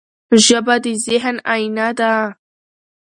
ژبه د ذهن آیینه ده.